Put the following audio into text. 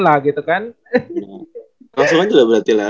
langsung aja lah berarti lah